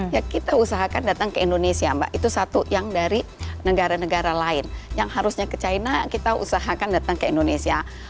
ya kita usahakan datang ke indonesia mbak itu satu yang dari negara negara lain yang harusnya ke china kita usahakan datang ke indonesia